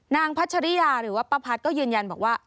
พัชริยาหรือว่าป้าพัดก็ยืนยันบอกว่า